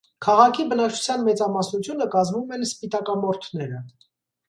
Քաղաքի բնակչության մեծամասնությունը կազմում են սպիտակամորթները։